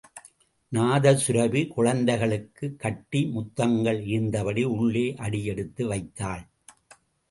நாதசுரபி குழந்தைக்குக் கட்டி முத்தங்கள் ஈந்தபடி உள்ளே அடியெடுத்து வைத்தாள்.